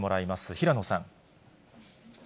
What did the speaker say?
平野さん。